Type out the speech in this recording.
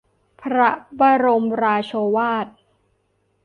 พระบรมราโชวาท